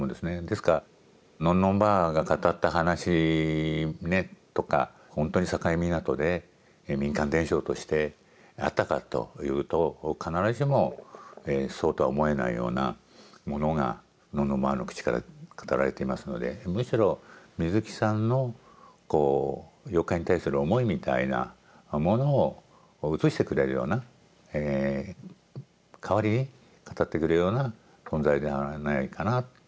ですからのんのんばあが語った話ねとか本当に境港で民間伝承としてあったかというと必ずしもそうとは思えないようなものがのんのんばあの口から語られていますのでむしろ水木さんのこう妖怪に対する思いみたいなものを映してくれるような代わりに語ってくれるような存在ではないかなと僕は思いますね。